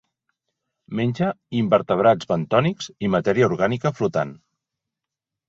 Menja invertebrats bentònics i matèria orgànica flotant.